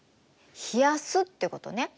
冷やすってことね。